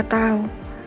kalo sampai papa tau